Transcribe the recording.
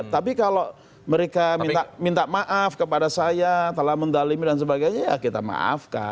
tapi kalau mereka minta maaf kepada saya telah mendalimi dan sebagainya ya kita maafkan